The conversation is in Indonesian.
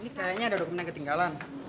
ini kayaknya ada dokumen yang ketinggalan